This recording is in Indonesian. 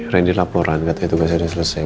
rendy laporan katanya tugasnya udah selesai